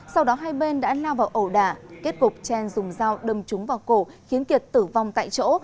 sau đó hai bên đã lao vào ẩu đả kết cục trang dùng dao đâm trúng vào cổ khiến kiệt tử vong tại chỗ